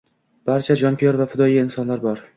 Barcha jonkuyar va fidoyi insonlar bor